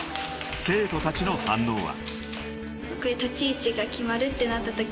［生徒たちの反応は］